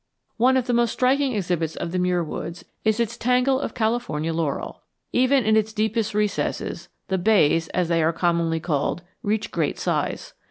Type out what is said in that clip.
One of the most striking exhibits of the Muir Woods is its tangle of California laurel. Even in its deepest recesses, the bays, as they are commonly called, reach great size.